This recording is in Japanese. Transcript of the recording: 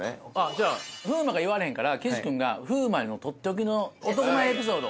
じゃあ風磨が言われへんから岸君が風磨のとっておきの男前エピソード。